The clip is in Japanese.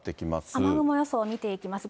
雨雲予想を見ていきます。